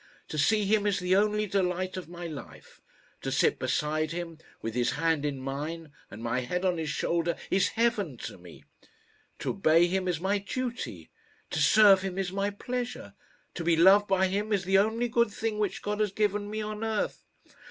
To see him is the only delight of my life. To sit beside him, with his hand in mine, and my head on his shoulder, is heaven to me. To obey him is my duty; to serve him is my pleasure. To be loved by him is the only good thing which God has given me on earth.